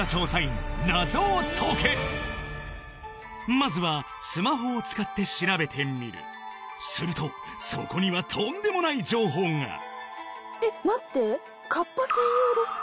まずはスマホを使って調べてみるするとそこにはとんでもない情報がえ待って河童？